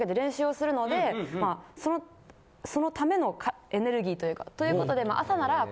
そのためのエネルギーというかということで。